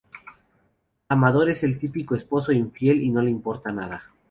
Amador es el típico esposo infiel y no le importa nada.